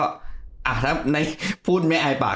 อ่ะถ้าพูดแม่อายปาก